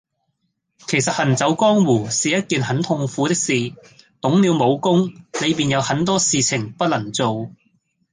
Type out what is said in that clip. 其實行走江湖是一件很痛苦的事，懂了武功，你便有很多事情不能做